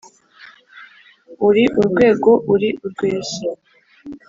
uri urwego uri urweso